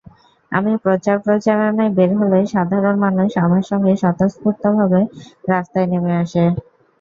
আমি প্রচার-প্রচারণায় বের হলে সাধারণ মানুষ আমার সঙ্গে স্বতঃস্ফূর্তভাবে রাস্তায় নেমে আসে।